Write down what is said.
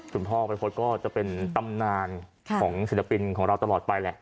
สุขภัณฑ์พระพฤติก็จะเป็นตำนานของศิลปินของเราตลอดไปแหละ